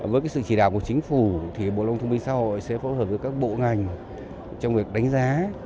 với sự chỉ đạo của chính phủ thì bộ lao động thương binh xã hội sẽ phối hợp với các bộ ngành trong việc đánh giá